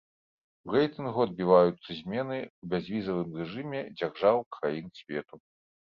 У рэйтынгу адбіваюцца змены ў бязвізавым рэжыме дзяржаў краін свету.